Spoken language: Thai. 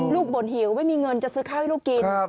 บ่นหิวไม่มีเงินจะซื้อข้าวให้ลูกกิน